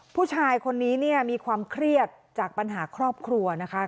ผู้ชายคนนี้เนี่ยมีความเครียดจากปัญหาครอบครัวนะคะ